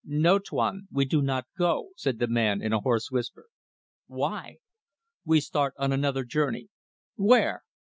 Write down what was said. "No, Tuan. We do not go," said the man, in a hoarse whisper. "Why?" "We start on another journey." "Where?"